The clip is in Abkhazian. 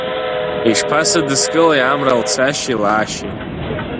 Ишԥасыдыскылеи Амра лцашьеи лаашьеи?